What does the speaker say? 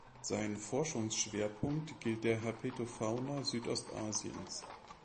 Sein Forschungsschwerpunkt gilt der Herpetofauna Südostasiens.